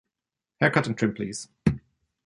Haircut and trim, please.